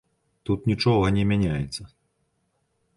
Тут нічога не мяняецца.